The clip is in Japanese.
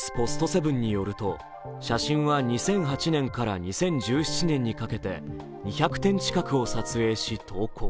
セブンによると、写真は２００８年から２０１７年にかけて２００点近くを撮影し投稿。